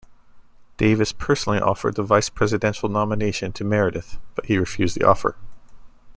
Davis personally offered the Vice Presidential nomination to Meredith, but he refused the offer.